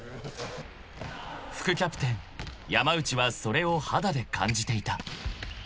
［副キャプテン山内はそれを肌で感じていた］